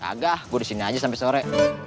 kagak gue disini aja sampe sore